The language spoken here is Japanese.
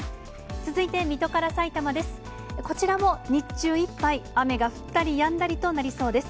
続いて水戸からさいたまです。